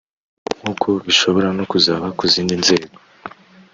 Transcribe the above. nk’uko bishobora no kuzaba ku zindi nzego